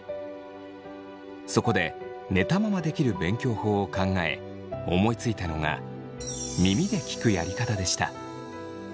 そこで寝たままできる勉強法を考え思いついたのが耳で聞くやり方でした。